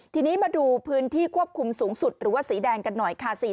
ทีนี้มาดูพื้นที่ควบคุมสูงสุดหรือว่าสีแดงกันหน่อยค่ะ